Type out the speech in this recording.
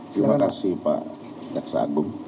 terima kasih pak jaksa agung